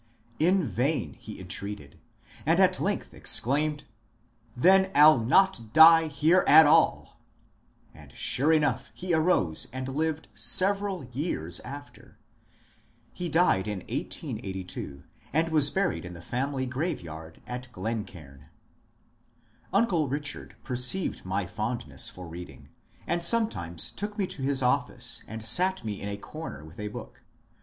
In vain he entreated, and at length ex claimed, " Then I 'U not die here at all I " And sure enough he arose and lived several years after. He died in 1882 and was buried in the family graveyard at Glencaim. Uncle Bichard perceived my fondness for reading, and sometimes took me to his office and sat me in a comer with a book.